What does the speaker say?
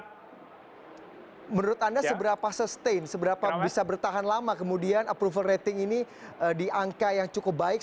menurut anda seberapa sustain seberapa bisa bertahan lama kemudian approval rating ini di angka yang cukup baik